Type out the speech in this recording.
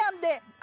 「あ」